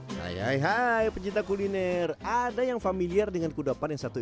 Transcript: hai hai pencipta kuliner ada yang familiar dengan kuda paning satu